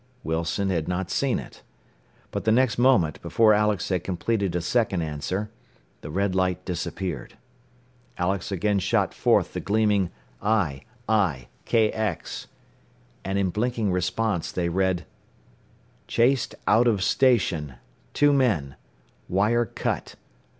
Wilson had not seen it. But the next moment, before Alex had completed a second answer, the red light disappeared. Alex again shot forth the gleaming "I, I, KX!" and in blinking response they read: "Chased out of station. Two men. Wire cut.